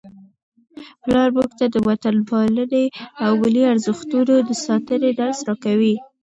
پلار موږ ته د وطنپالنې او ملي ارزښتونو د ساتنې درس راکوي.